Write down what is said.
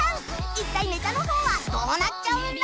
一体ネタの方はどうなっちゃうんだ？